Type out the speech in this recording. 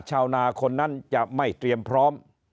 ชาวนาคนนั้นจะไม่เตรียมพร้อม